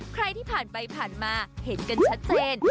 ใครที่ผ่านไปผ่านมาเห็นกันชัดเจน